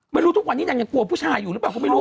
ไม่รู้ทุกวันนี้นางยังกลัวผู้ชายอยู่หรือเปล่า